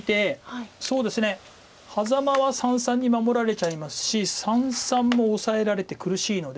そうですねハザマは三々に守られちゃいますし三々もオサえられて苦しいので。